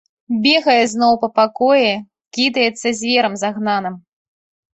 Бегае зноў па пакоі, кідаецца зверам загнаным.